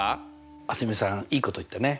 蒼澄さんいいこと言ったね。